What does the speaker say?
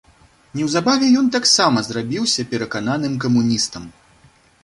Неўзабаве ён таксама зрабіўся перакананым камуністам.